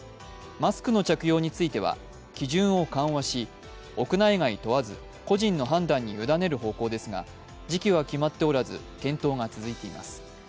マスクの着用については基準を緩和し屋内外問わず個人の判断に委ねる方向ですが時期は決まっておらず検討が続いています。